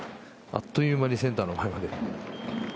あっという間にセンターの前まで。